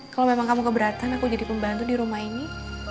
kalau memang kamu keberatan aku jadi pembantu di rumah ini